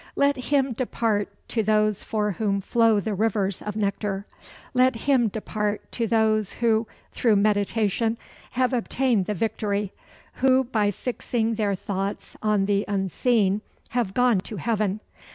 "Let him depart to those for whom flow the rivers of nectar. Let him depart to those who, through meditation, have obtained the victory; who, by fixing their thoughts on the unseen, have gone to heaven.